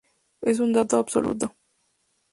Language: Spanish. Es un dato absoluto.